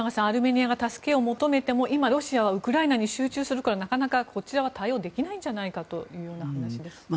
アルメニアが助けを求めても今、ロシアはウクライナに集中するからなかなかこちらは対応できないんじゃないかという話です。